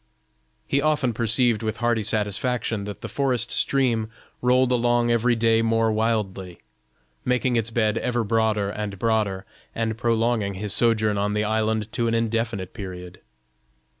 He often perceived with hearty satisfaction that the forest stream rolled along every day more wildly, making its bed ever broader and broader, and prolonging his sojourn on the island to an indefinite period.